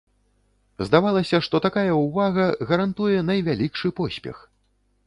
Здавалася, што такая ўвага гарантуе найвялікшы поспех.